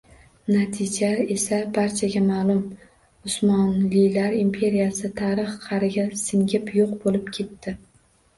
Natija esa barchaga maʼlum, Usmonlilar imperiyasi tarix qariga singib yoʻq boʻlib ketdi.